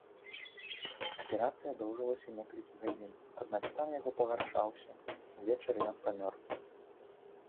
Аперацыя доўжылася некалькі гадзін, аднак стан яго пагаршаўся, увечары ён памёр.